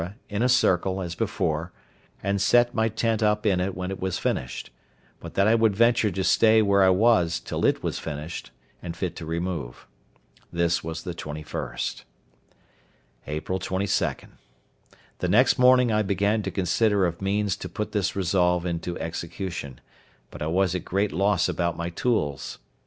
in a circle, as before, and set my tent up in it when it was finished; but that I would venture to stay where I was till it was finished, and fit to remove. This was the 21st. April 22.—The next morning I begin to consider of means to put this resolve into execution; but I was at a great loss about my tools.